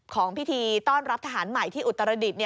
ของพิธีต้อนรับทหารใหม่ที่อุตรดิษฐ์